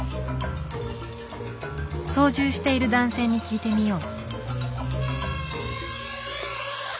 操縦している男性に聞いてみよう。